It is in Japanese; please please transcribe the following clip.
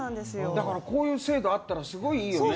だからこういう制度あったらすごいいいよね。